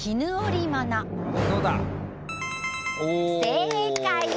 正解。